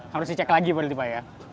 harus dicek lagi berarti pak ya